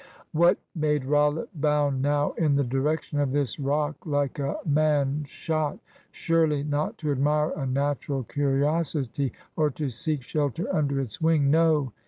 What made Rollitt bound now in the direction of this rock, like a man shot? Surely not to admire a natural curiosity, or to seek shelter under its wing. No.